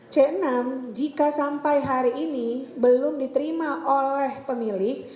c enam jika sampai hari ini belum diterima oleh pemilih